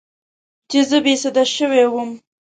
چې زه بې سده شوې وم.